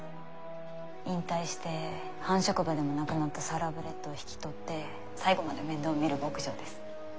引退して繁殖馬でもなくなったサラブレッドを引き取って最後まで面倒を見る牧場です。